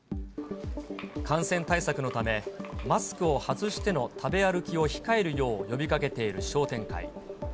感染対策のため、マスクを外しての食べ歩きを控えるよう呼びかけている商店会。